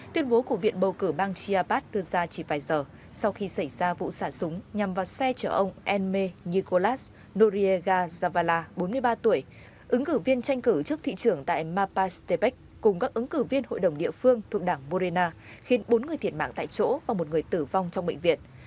tuyên bố của viện bầu cử bang chiapas đưa ra chỉ vài giờ sau khi xảy ra vụ sả súng nhằm vào xe chở ông enmei nicolas noriega zavala bốn mươi ba tuổi ứng cử viên tranh cử chức thị trường tại mapastepec cùng các ứng cử viên hội đồng địa phương thuộc đảng morena khiến bốn người thiệt mạng tại chỗ và một người tử vong trong bệnh viện